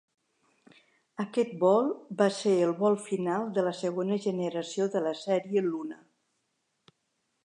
Aquest vol va ser el vol final de la segona generació de la sèrie Luna.